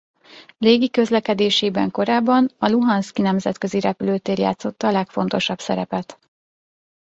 Légi közlekedésében korábban a Luhanszki nemzetközi repülőtér játszotta a legfontosabb szerepet.